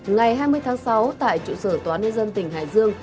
ngày hai mươi tháng sáu tại trụ sở tòa nhân dân tỉnh hải dương